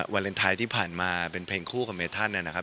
วาเลนไทยที่ผ่านมาเป็นเพลงคู่กับเมธันนะครับ